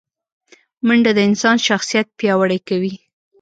منډه د انسان شخصیت پیاوړی کوي